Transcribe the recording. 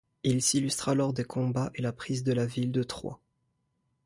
Il s'illustra lors des combats et la prise de la ville de Troyes.